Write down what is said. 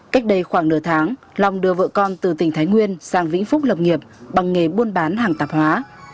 cách đây khoảng nửa tháng long đưa vợ con từ tỉnh thái nguyên sang vĩnh phúc lập nghiệp bằng nghề buôn bán hàng tạp hóa